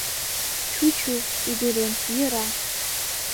Чу-чу, ӱдырем, йӧра.